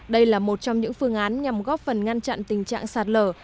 đây là một trong những phương án nhằm góp phần ngăn chặn tình trạng sạt lở